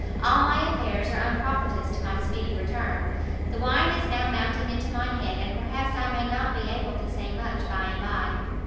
all my affairs are unpropitious to my speedy return; the wine is now mounting into my head, and perhaps I may not be able to say much by and by.